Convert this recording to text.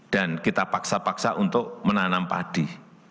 dan kita paksa paksa untuk menanam padi